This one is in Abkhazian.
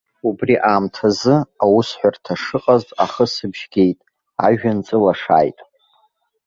Убри аамҭазы, аусҳәарҭа шыҟаз ахысыбжь геит, ажәҩан ҵылашааит.